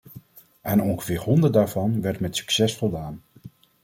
Aan ongeveer honderd daarvan werd met succes voldaan.